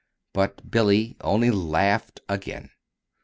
But Billy only laughed again.